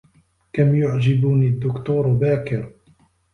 كم يعجبني الدّكتور باكر.